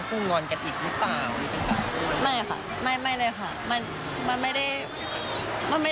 อืมใช่